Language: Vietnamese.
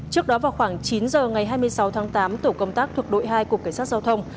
trước đó vào khoảng chín giờ ngày hai mươi sáu tháng tám tổ công tác thuộc đội hai cục cảnh sát giao thông